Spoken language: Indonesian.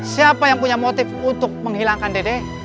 siapa yang punya motif untuk menghilangkan dede